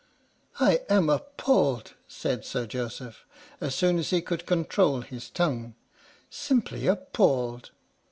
" I am appalled," said Sir Joseph, as soon as he could control his tongue. " Simply appalled